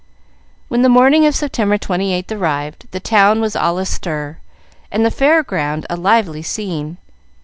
When the morning of September 28th arrived, the town was all astir, and the Fair ground a lively scene.